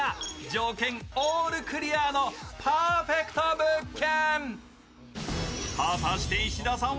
条件オールクリアのパーフェクト物件。